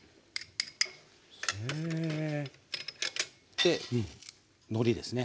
でのりですね。